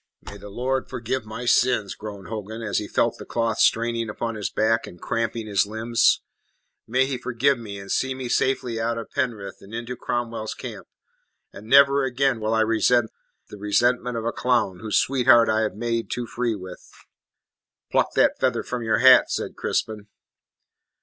"May the Lord forgive my sins," groaned Hogan, as he felt the cloth straining upon his back and cramping his limbs. "May He forgive me, and see me safely out of Penrith and into Cromwell's camp, and never again will I resent the resentment of a clown whose sweetheart I have made too free with." "Pluck that feather from your hat," said Crispin.